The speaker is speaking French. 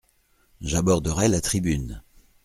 J’aborderais la tribune !…